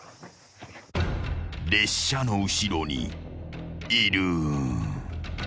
［列車の後ろにいる］